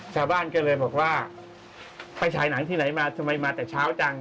ชาวบ้านก็เลยบอกว่าไปฉายหนังที่ไหนมาทำไมมาแต่เช้าจัง